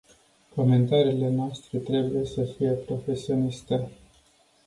Comentariile noastre trebuie să fie profesioniste.